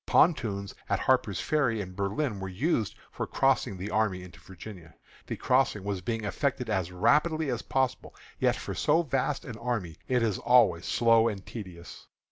Pontoons at Harper's Ferry and Berlin were used for crossing the army into Virginia. The crossing was being effected as rapidly as possible, yet for so vast an army it is always slow and tedious.